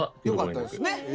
よかったですね。